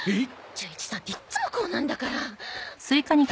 純一さんっていつもこうなんだから。